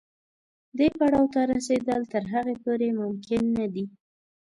دې پړاو ته رسېدل تر هغې پورې ممکن نه دي.